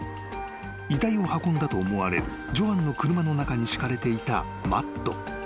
［遺体を運んだと思われるジョアンの車の中に敷かれていたマット］